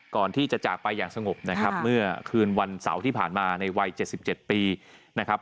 จากไปอย่างสงบนะครับเมื่อคืนวันเสาร์ที่ผ่านมาในวัย๗๗ปีนะครับ